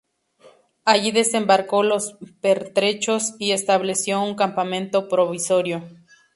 Allí desembarco los pertrechos y estableció un campamento provisorio.